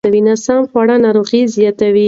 ناسم خواړه ناروغۍ زیاتوي.